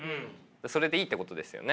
それでいいってことですよね。